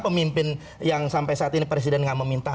pemimpin yang sampai saat ini presiden nggak meminta